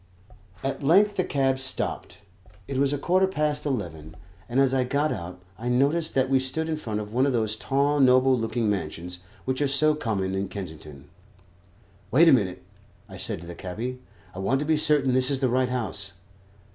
At length the cab stopped. It was a quarter past eleven, and as I got out I noticed that we stood in front of one of those tall noble looking mansions which are so common in Kensington. "Wait a minute," I said to the cabby; "I want to be certain this is the right house."